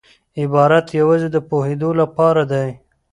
عبارت یوازي د پوهېدو له پاره دئ.